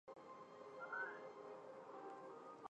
开创了中国网站出假日版的先河。